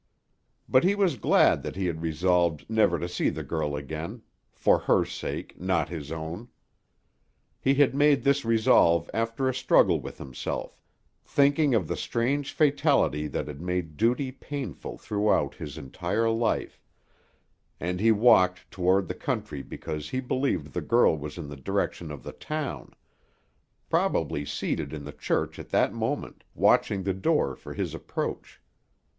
But he was glad that he had resolved never to see the girl again, for her sake, not his own. He had made this resolve after a struggle with himself, thinking of the strange fatality that had made duty painful throughout his entire life; and he walked toward the country because he believed the girl was in the direction of the town; probably seated in the church at that moment, watching the door for his approach.